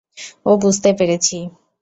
ও বুঝতে পেরেছি।